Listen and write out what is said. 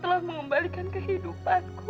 kau telah mengembalikan kehidupanku dan anak anakku